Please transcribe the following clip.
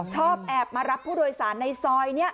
ชอบแอบมารับผู้โดยสารในซอยนี้